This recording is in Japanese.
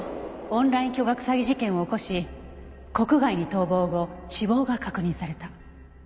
オンライン巨額詐欺事件を起こし国外に逃亡後死亡が確認された。